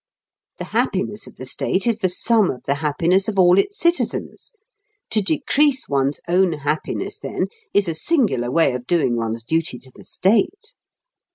The happiness of the state is the sum of the happiness of all its citizens; to decrease one's own happiness, then, is a singular way of doing one's duty to the state!